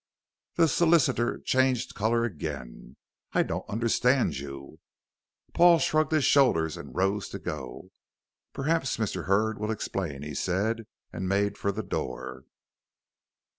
The solicitor changed color again. "I don't understand you." Paul shrugged his shoulders and rose to go. "Perhaps Mr. Hurd will explain," he said, and made for the door.